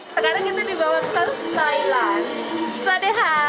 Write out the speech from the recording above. sekarang kita dibawa ke thailand swadeha